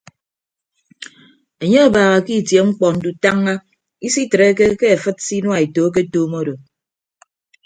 Enye abaaha ke itie mkpọ ndutañña isitreke ke afịd se inuaeto aketuum odo.